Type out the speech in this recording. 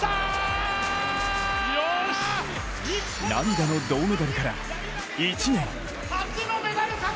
涙の銅メダルから１年。